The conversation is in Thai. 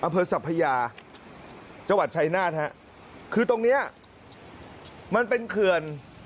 อเผิดศัพท์พระยาจังหวัดชัยนาธิฮะคือตรงเนี้ยมันเป็นเขือน